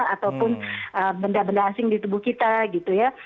ataupun benda benda asing di tubuh kita gitu ya